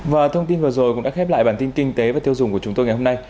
và thông tin vừa rồi cũng đã khép lại bản tin kinh tế và tiêu dùng của chúng tôi ngày hôm nay